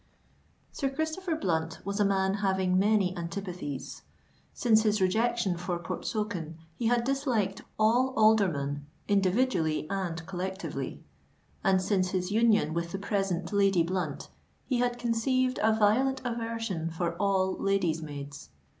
Sir Christopher Blunt was a man having many antipathies. Since his rejection for Portsoken he had disliked all aldermen, individually and collectively; and since his union with the present Lady Blunt, he had conceived a violent aversion for all lady's maids.